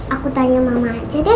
aku tanya mama aja deh